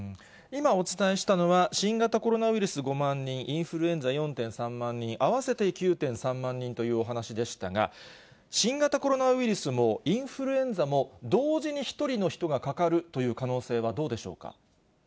今お伝えしたのは、新型コロナウイルス５万人、インフルエンザ４．３万人、合わせて９．３万人というお話でしたが、新型コロナウイルスもインフルエンザも、同時に１人の人がかかるという可能性はどうでしょうか。